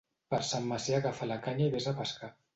Per Sant Macià agafa la canya i ves a pescar.